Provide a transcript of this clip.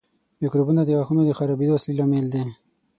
میکروبونه د غاښونو د خرابېدو اصلي لامل دي.